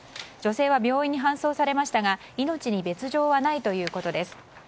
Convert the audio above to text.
女性は病院に搬送されましたが命に別条はないということです。